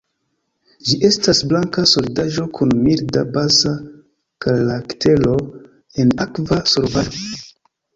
Ĝi estas blanka solidaĵo kun milda baza karaktero en akva solvaĵo.